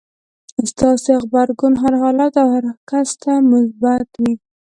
ستاسې غبرګون هر حالت او هر کس ته مثبت وي.